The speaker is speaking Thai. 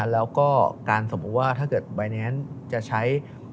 แล้วก็การสมมุติว่าถ้าเกิดใบแนนซ์จะใช้